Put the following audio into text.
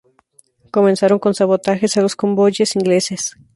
Comenzaron con sabotajes a los convoyes ingleses.